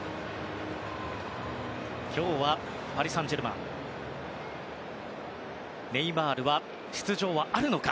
今日はパリ・サンジェルマンのネイマールの出場はあるのか？